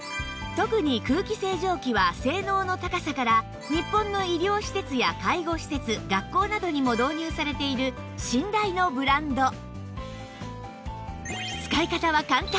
特に空気清浄機は性能の高さから日本の医療施設や介護施設学校などにも導入されている信頼のブランド